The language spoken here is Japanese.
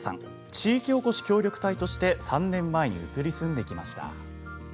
地域おこし協力隊として３年前に移り住んできました。